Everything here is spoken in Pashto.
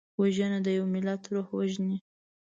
وژنه د یو ملت روح وژني